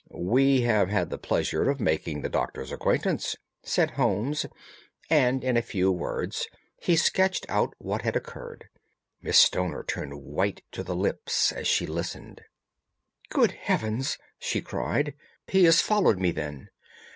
"We have had the pleasure of making the Doctor's acquaintance," said Holmes, and in a few words he sketched out what had occurred. Miss Stoner turned white to the lips as she listened. "Good heavens!" she cried, "he has followed me, then."